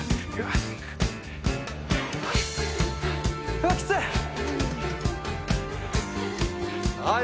うわっ、きつい。